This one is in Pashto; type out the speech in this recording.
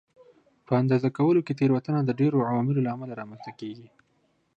په اندازه کولو کې تېروتنه د ډېرو عواملو له امله رامنځته کېږي.